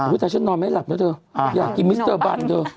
แต่ฉันนอนไม่หลับแล้วเธออยากกินมิสเตอร์บันเธอ